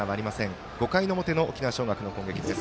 ５回の表、沖縄尚学の攻撃。